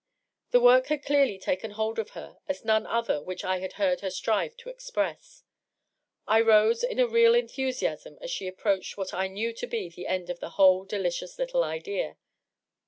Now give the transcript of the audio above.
The work had clearly taken hold of her as none other which I had heard her strive to express. I rose in a real enthusiasm as she approached what I knew to be the end of the whole delicious little idea.